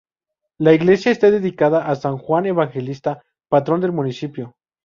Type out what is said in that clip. La iglesia está dedicada a San Juan Evangelista, patrón del municipio.